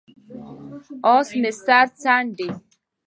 اس مې سر څنډي،